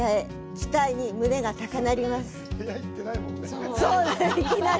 期待に胸が高鳴ります。